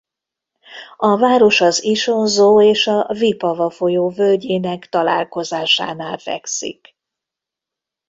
A város az Isonzó és a Vipava folyó völgyének találkozásánál fekszik.